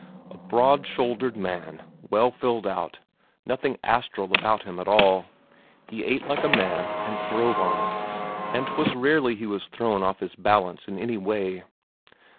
A broad shouldered man, well filled out, nothing astral about him at all; he ate like a man and throve on it, and 'twas rarely he was thrown off his balance in any way.